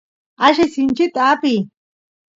alli sinchit apiy